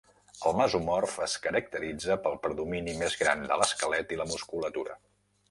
El mesomorf es caracteritza pel predomini més gran de l'esquelet i la musculatura.